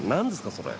それ。